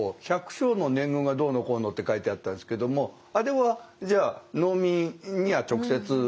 百姓の年貢がどうのこうのって書いてあったんですけどもあれはじゃあ農民には直接？